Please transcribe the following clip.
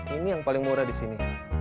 ini yang paling murah disini